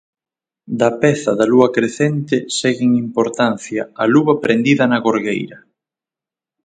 Da peza da lúa crecente segue en importancia a luva prendida na gorgueira.